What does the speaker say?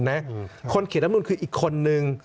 คนเขียนรัฐมนุนคืออีกคนนึง